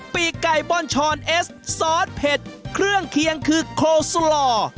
ปีกไก่บอนชอนเอสซอสเผ็ดเครื่องเคียงคือโคซุลอ